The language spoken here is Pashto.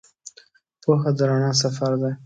پوهه د رڼا سفر دی.